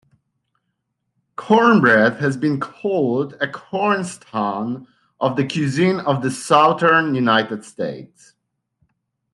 Cornbread has been called a "cornerstone" of the Cuisine of the Southern United States.